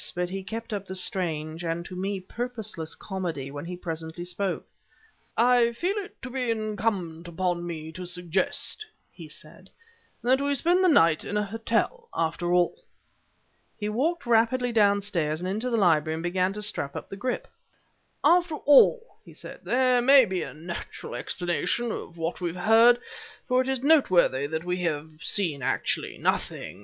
But he kept up the strange, and to me, purposeless comedy, when presently he spoke. "I feel it to be incumbent upon me to suggest," he said, "that we spend the night at a hotel after all." He walked rapidly downstairs and into the library and began to strap up the grip. "After all," he said, "there may be a natural explanation of what we've heard; for it is noteworthy that we have actually seen nothing.